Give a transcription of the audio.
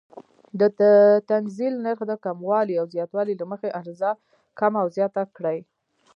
د تنزیل نرخ د کموالي او زیاتوالي له مخې عرضه کمه او زیاته کړي.